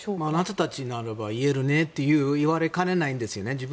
あなたたちなら言えるねと言われかねないんですよね。